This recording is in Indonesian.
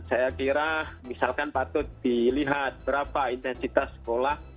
saya kira misalkan patut dilihat berapa intensitas sekolah